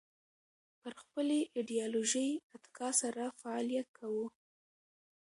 پر خپلې ایدیالوژۍ اتکا سره فعالیت کاوه